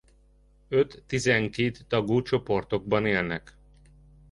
Öt-tizenkét tagú csoportokban élnek.